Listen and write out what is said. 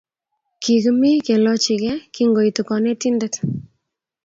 Kigimi kelochige kingoitu kanetindet